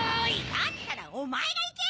だったらおまえがいけ！